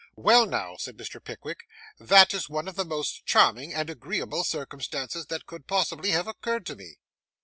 'Well, now,' said Mr. Pickwick, 'that is one of the most charming and agreeable circumstances that could possibly have occurred to me!